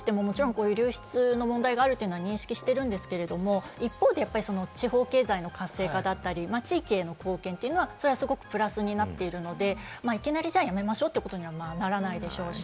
政府としてもこういう流出の問題があるというのは認識しているんですけれども、一方で地方経済の活性化だったり、地域への貢献はすごくプラスになっているので、いきなりやめましょうということにはならないでしょうし、